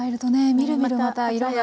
みるみるまた色が。